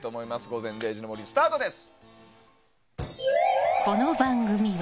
「午前０時の森」スタートです。